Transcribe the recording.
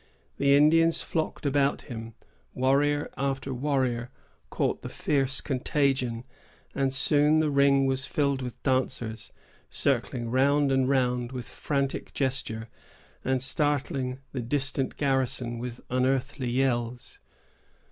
The Indians flocked about him. Warrior after warrior caught the fierce contagion, and soon the ring was filled with dancers, circling round and round with frantic gesture, and startling the distant garrison with unearthly yells.